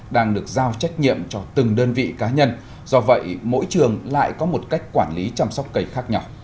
đang được giao trách nhiệm cho từng đơn vị cá nhân do vậy mỗi trường lại có một cách quản lý chăm sóc cây khác nhỏ